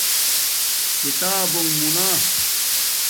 کتابنݣ مونا